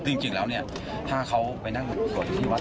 ซึ่งจริงแล้วเนี่ยถ้าเขาไปนั่งกุศลที่วัด